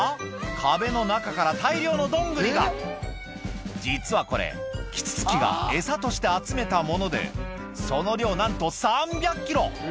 壁の中から大量のドングリが実はこれキツツキが餌として集めたものでその量何と３００ｋｇ！